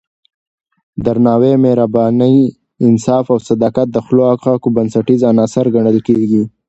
درناوی، مهرباني، انصاف او صداقت د ښو اخلاقو بنسټیز عناصر ګڼل کېږي.